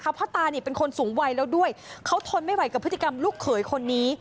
เพราะตานี่เป็นคนสูงวัยแล้วด้วยเขาทนไม่ไหวกับพฤติกรรมลูกเขยคนนี้